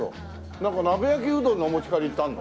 なんか鍋焼きうどんのお持ち帰りってあるの？